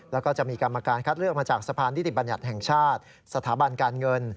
แล้วก็จะมีกรรมการคัดเลือกมาจากสะพานนิติบัญญัติแห่งชาติสถาบันการเงิน